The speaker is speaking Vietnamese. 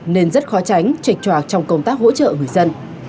nên rất khó tránh trệch tròa trong công tác hỗ trợ người dân